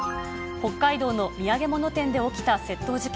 北海道の土産物店で起きた窃盗事件。